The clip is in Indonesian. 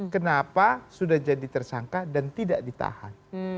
kenapa sudah jadi tersangka dan tidak ditahan